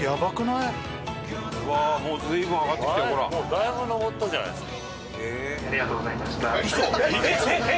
だいぶ上ったんじゃないですか？